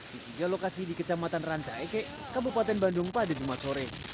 di tiga lokasi di kecamatan ranca eke kabupaten bandung pada jumat sore